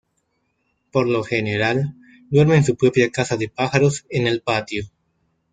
Por lo general, duerme en su propia casa de pájaros en el patio.